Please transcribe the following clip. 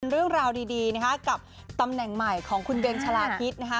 เรื่องราวดีกับตำแหน่งใหม่ของคุณเบนชะลาฮิต